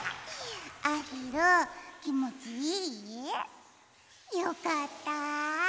あひるんきもちいい？よかった！